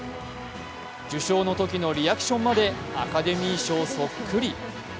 受賞の時のリアクションまでアカデミー賞そっくり。